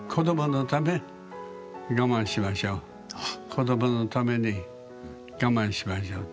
子どものために我慢しましょう。